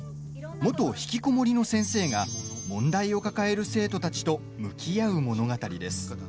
元ひきこもりの先生が問題を抱える生徒たちと向き合う物語です。